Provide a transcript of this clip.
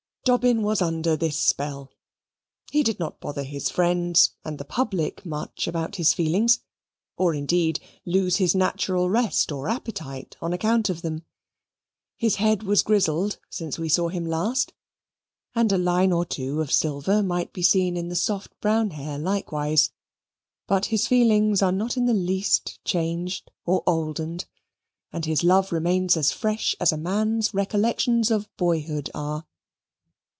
Dobbin was under this spell. He did not bother his friends and the public much about his feelings, or indeed lose his natural rest or appetite on account of them. His head has grizzled since we saw him last, and a line or two of silver may be seen in the soft brown hair likewise. But his feelings are not in the least changed or oldened, and his love remains as fresh as a man's recollections of boyhood are.